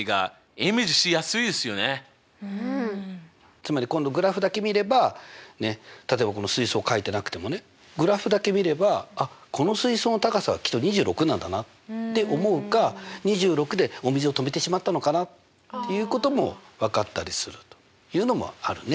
つまり今度グラフだけ見れば例えばこの水槽描いてなくてもねグラフだけ見ればあっこの水槽の高さはきっと２６なんだなって思うか２６でお水を止めてしまったのかなっていうことも分かったりするというのもあるね。